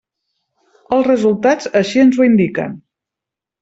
Els resultats així ens ho indiquen.